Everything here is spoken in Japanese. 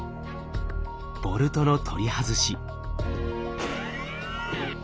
ボルトの取り外し。